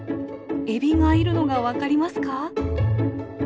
エビがいるのが分かりますか？